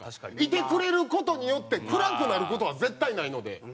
いてくれる事によって暗くなる事は絶対ないので。